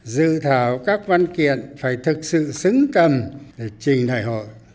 dự thảo các văn kiện phải thực sự xứng cầm để trình đại hội